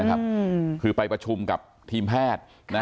คือไปประชุมกับทีมแพทย์